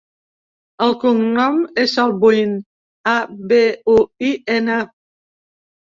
El cognom és Abuin: a, be, u, i, ena.